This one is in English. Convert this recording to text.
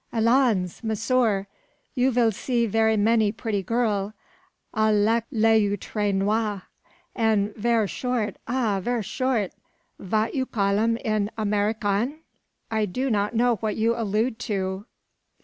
Allons! monsieur, you vill see ver many pretty girl, avec les yeux tres noir, and ver short ah! ver short vat you call em in Americaine?" "I do not know what you allude to."